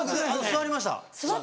座りました。